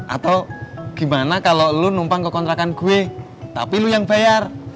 atau gimana kalau lu numpang ke kontrakan gue tapi lu yang bayar